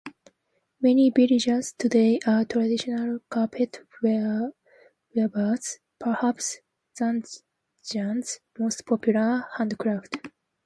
Many villagers today are traditional carpet weavers, perhaps Zanjan's most popular handcraft.